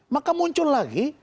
maka muncul lagi